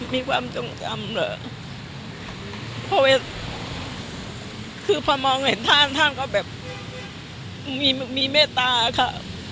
มีความทรงจำเหรอเพราะว่าคือพอมองเห็นท่านท่านก็แบบมีเมตตาค่ะ